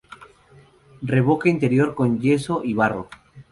Revoque interior con yeso y barro.